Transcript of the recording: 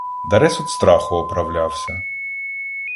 Дарес од страху оправлявся